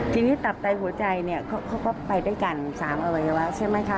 ทีนี้ตับไตหัวใจเนี่ยเขาก็ไปด้วยกัน๓อวัยวะใช่ไหมคะ